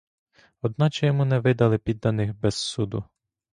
Одначе йому не видали підданих без суду.